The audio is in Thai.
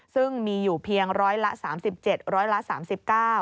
ซึ่งมีอยู่เพียงร้อยละ๓๗ร้อยละ๓๙